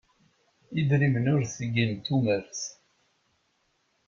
Idrimen ur ttegen tumert.